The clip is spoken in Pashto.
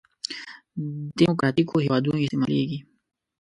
دیموکراتیکو هېوادونو استعمالېږي.